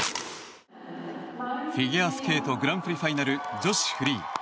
フィギュアスケートグランプリファイナル女子フリー。